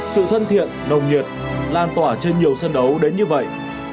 sự thân thiện nồng nhiệt lan tỏa trên nhiều sân đấu đến như vậy